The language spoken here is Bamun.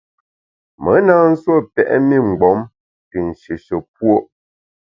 Me na nsuo pèt mi mgbom te nshéshe puo’.